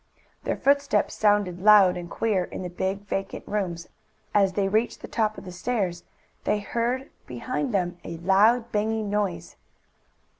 Their footsteps sounded loud and queer in the big, vacant rooms. As they reached the top of the stairs they heard behind them a loud banging noise.